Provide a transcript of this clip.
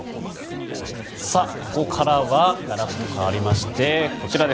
ここからはガラッとかわりましてこちら。